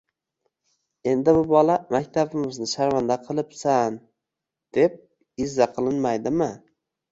– Endi u bola «maktabimizni sharmanda qilibsan», deb izza qilinmaydimi?